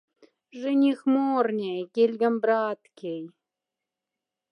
Женихморняй, кельгом браткяй!